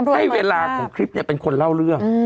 ให้เวลาของคลิปเป็นคนเล่าเรื่อง